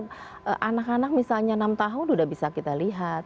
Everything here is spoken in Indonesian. karena anak anak misalnya enam tahun sudah bisa kita lihat